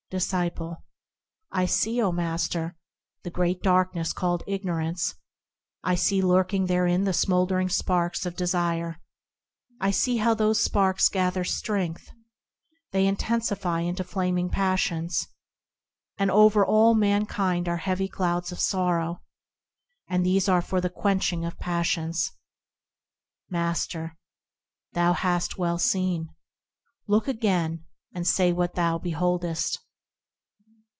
Disciple. I see, O Master! the Great Darkness called Ignorance; I see lurking therein the smouldering sparks of desire; I see how those sparks gather strength; They intensify into flaming passions ; And over all mankind are heavy clouds of sorrow, And these are for the quenching of passions. Master. Thou hast well seen. Look again, and say what thou beholdest.